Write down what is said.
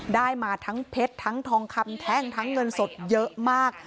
ได้มาทั้งเพชรทั้งทองคำแท่งทั้งเงินสดเยอะมาก